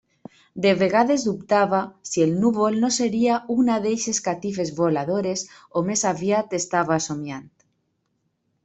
De vegades dubtava si el núvol no seria una d'eixes catifes voladores, o més aviat estava somiant.